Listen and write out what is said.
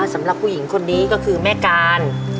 สำหรับผู้หญิงคนนี้ก็คือแม่การ